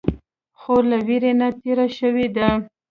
خور له ویرې نه تېره شوې ده.